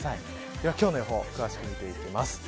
では今日の予報を詳しく見ていきます。